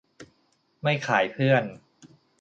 ไม่ขายเพื่อน